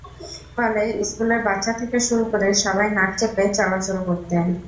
ফলে স্কুলের বাচ্চা থেকে শুরু করে সবাই নাক চেপে চলাচল করতেন।